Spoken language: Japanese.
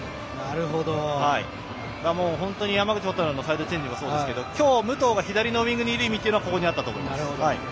本当に山口蛍のサイドチェンジもそうですけど今日、武藤が左のウイングにいる意味というのもここにあったと思います。